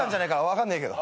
分かんねえけど。